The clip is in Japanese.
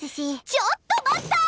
ちょっと待ったぁ！